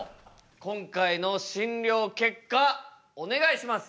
今回の診りょう結果お願いします。